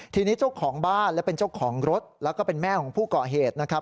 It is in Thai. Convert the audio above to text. ทีนี้เจ้าของบ้านและเป็นเจ้าของรถแล้วก็เป็นแม่ของผู้ก่อเหตุนะครับ